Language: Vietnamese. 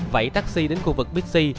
vậy taxi đến khu vực bixi